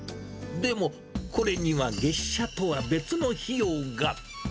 でも、これには月謝とは別の費用が。